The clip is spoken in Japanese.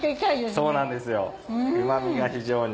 そうなんですようま味が非常に。